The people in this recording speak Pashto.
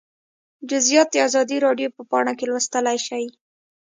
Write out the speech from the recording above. جزییات د ازادي راډیو په پاڼه کې لوستلی شئ